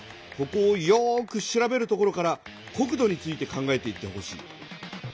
ここをよく調べるところから国土について考えていってほしい。